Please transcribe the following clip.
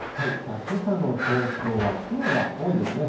けさの東京は雲が多いですね。